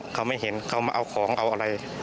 เขาไม่เห็นเขามาเอาของเอาอะไร